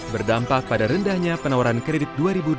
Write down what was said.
berdampak pada rendahnya penawaran kredit dua ribu dua puluh